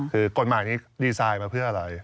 คือกฎหมายนี้ดีไซน์มาเพื่ออะไร